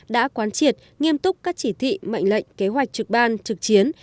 đã quán triệt nghiêm túc các chỉ thị mệnh lệnh kế hoạch trực ban trực chiến